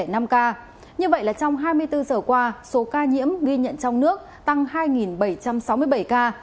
như vậy là trong hai mươi bốn giờ qua số ca nhiễm ghi nhận trong nước tăng hai bảy trăm sáu mươi bảy ca